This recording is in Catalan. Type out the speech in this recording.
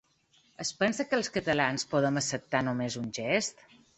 Es pensa que els catalans podem acceptar només un gest?